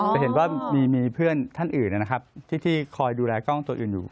จะเห็นว่ามีเพื่อนท่านอื่นนะครับที่คอยดูแลกล้องตัวอื่นอยู่